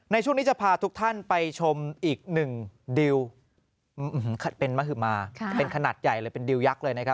ในช่วงนี้จะพาทุกท่านไปชมอีกหนึ่งดิวยักษ์เลยนะครับ